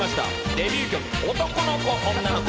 デビュー曲「男の子女の子」。